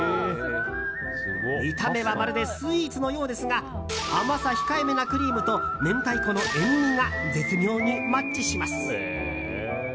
見た目はまるでスイーツのようですが甘さ控えめなクリームと明太子の塩みが、絶妙にマッチします。